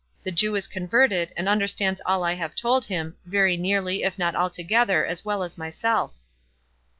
The Jew is converted, and understands all I have told him, very nearly, if not altogether, as well as myself."